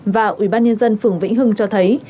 và ủy ban nhân dân phường vĩnh hưng cho thấy